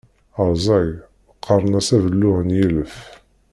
Rẓag, qqaren-as abelluḍ n yilef.